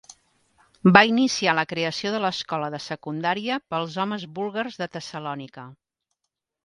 Va iniciar la creació de l'escola de secundària pels homes búlgars de Tessalònica.